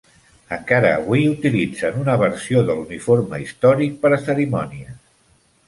Encara avui utilitzen una versió de l'uniforme històric per a cerimònies.